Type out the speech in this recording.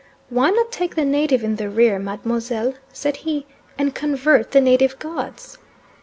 "Why not take the native in the rear, Mademoiselle," said he, "and convert the native gods?"